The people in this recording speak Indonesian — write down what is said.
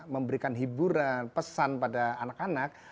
memberikan hiburan pesan pada anak anak